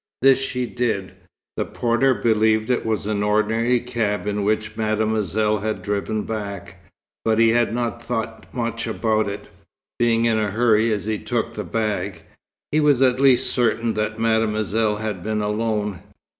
This she did. The porter believed it was an ordinary cab in which Mademoiselle had driven back, but he had not thought much about it, being in a hurry as he took the bag. He was at least certain that Mademoiselle had been alone.